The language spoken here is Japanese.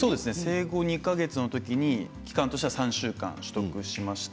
生後２か月の時に期間としては３週間取得しました。